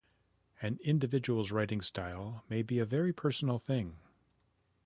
An individual's writing style may be a very personal thing.